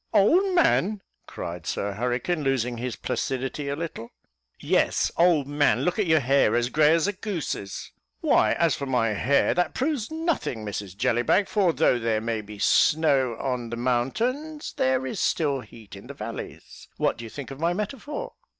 "Old man!" cried Sir Hurricane, losing his placidity a little. "Yes, old man; look at your hair as grey as a goose's." "Why, as for my hair, that proves nothing, Mrs Jellybag, for though there may be snow on the mountains, there is still heat in the valleys. What d'ye think of my metaphor?"